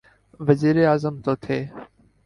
وزیراعظم تو تھے۔